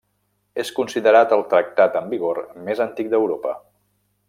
És considerat el tractat en vigor més antic d'Europa.